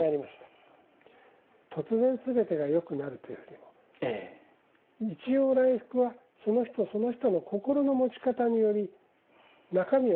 突然全てが良くなるというよりも一陽来復はその人その人の心の持ち方により中身が変わってくる。